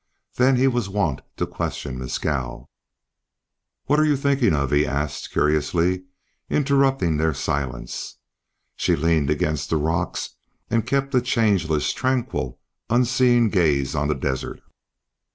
Then he was wont to question Mescal. "What are you thinking of?" he asked, curiously, interrupting their silence. She leaned against the rocks and kept a changeless, tranquil, unseeing gaze on the desert.